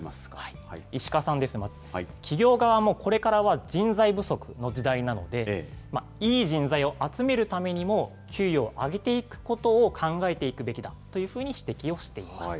石川さんです、まず。企業側もこれからは人材不足の時代なので、いい人材を集めるためにも、給与を上げていくことを考えていくべきだというふうに指摘をしています。